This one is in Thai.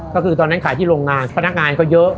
ก็คือตอนนั้นขายที่โรงงานพนักงานก็เยอะ